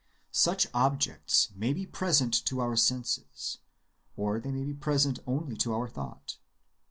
Such objects may be present to our senses, or they may be present only to our thought.